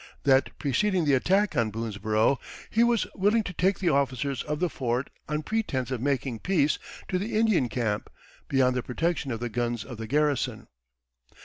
That preceding the attack on Boonesborough, he was willing to take the officers of the fort, on pretense of making peace, to the Indian camp, beyond the protection of the guns of the garrison."